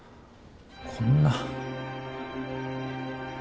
こんな。